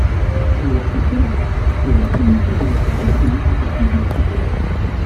C’est d’ailleurs pour cela que la commission des affaires économiques s’était saisie du sujet.